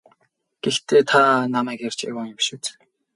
Гэхдээ та намайг эрж яваа юм биш биз?